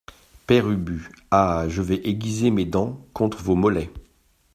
Père Ubu Ah ! je vais aiguiser mes dents contre vos mollets.